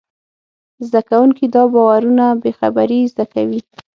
زدهکوونکي دا باورونه بېخبري زده کوي.